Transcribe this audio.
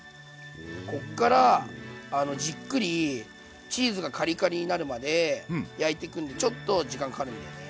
こっからじっくりチーズがカリカリになるまで焼いていくんでちょっと時間かかるんだよね。